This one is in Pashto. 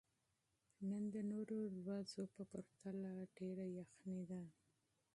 نن د نورو ورځو په پرتله ډېره یخني ده.